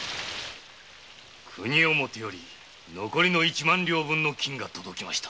国表より残り一万両分の金が届きました。